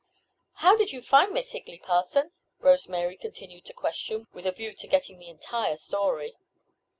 "How did you find Miss Higley, Parson?" Rose Mary continued to question, with a view to getting the entire story.